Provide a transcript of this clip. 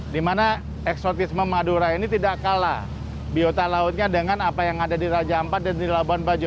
dimana eksotisme madura ini tidak kalah biota lautnya dengan apa yang ada di raja ampat dan di labuan bajo